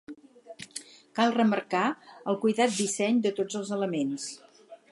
Cal remarcar el cuidat disseny de tots els elements.